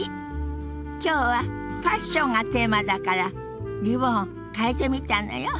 今日は「ファッション」がテーマだからリボンを替えてみたのよ。